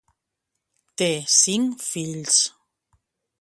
Té cinc fills.